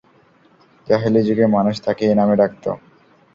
জাহেলী যুগে মানুষ তাকে এ নামে ডাকত।